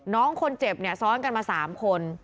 น้องคนเจ็บเนี่ยซ้อนกันมา๓คน